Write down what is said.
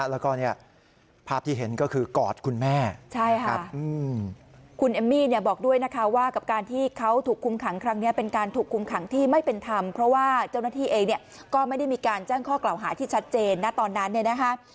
แล้วก็เนี่ยภาพที่เห็นก็คือกอดคุณแม่ใช่ค่ะคุณเอมมี่เนี่ยบอกด้วยนะคะว่ากับการที่เขาถูกคุมขังครั้งนี้เป็นการถูกคุมขังที่ไม่เป็นธรรมเพราะว่าเจ้าหน้าที่เองเนี่ยก็ไม่ได้มีการแจ้งข้อกล่าวหาที่ชัดเจนนะตอนนั้นเนี่ยนะคะ